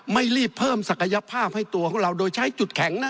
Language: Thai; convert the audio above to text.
ไม่รีบเพิ่มศักยภาพให้ตัวของเราโดยใช้จุดแข็งนะ